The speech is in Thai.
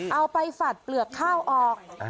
ไปฝัดเปลือกข้าวออก